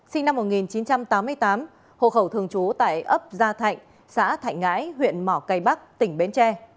sinh năm một nghìn chín trăm tám mươi tám hộ khẩu thường trú tại ấp gia thạnh xã thạnh ngãi huyện mỏ cây bắc tỉnh bến tre